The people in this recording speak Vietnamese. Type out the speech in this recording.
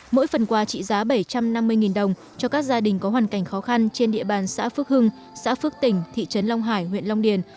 mỗi phần quà trị giá bảy trăm năm mươi đồng cho các gia đình có hoàn cảnh khó khăn trên địa bàn xã phước hưng xã phước tỉnh thị trấn long hải huyện long điền